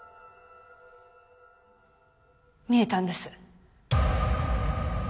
見えたんです。